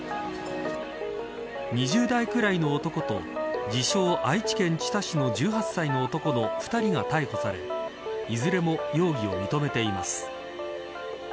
２０代くらいの男と自称、愛知県知多市の１８歳の男の２人が逮捕されいずれも容疑を認めています。